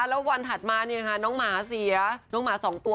แล้ววันถัดมาเนี่ยค่ะน้องหมาเสียน้องหมา๒ตัว